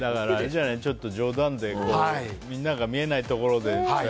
冗談でみんなが見えないところでね。